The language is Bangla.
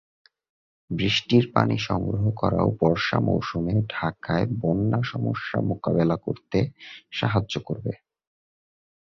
বৃষ্টির পানি সংগ্রহ করাও বর্ষা মৌসুমে ঢাকায় বন্যা সমস্যা মোকাবেলা করতে সাহায্য করবে।